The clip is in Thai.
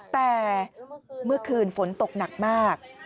แต่เมื่อคืนฝนตกหนักมาก